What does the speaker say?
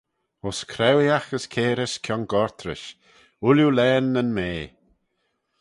Ayns craueeaght as cairys kiongoyrt rish, ooilley laghyn nyn mea.